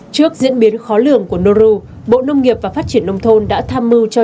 trước diễn biến khó lường của noru bộ nông nghiệp và phát triển nông thôn đã tham mưu cho